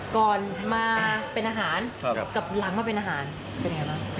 ก่อนมาเป็นอาหารกับหลังมาเป็นอาหารเป็นไงบ้าง